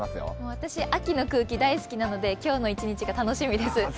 私、秋の空気大好きなので今日の一日が楽しみです。